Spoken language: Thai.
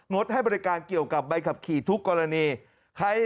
ดให้บริการเกี่ยวกับใบขับขี่ทุกกรณี